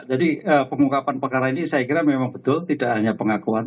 jadi pengungkapan perkara ini saya kira memang betul tidak hanya pengakuan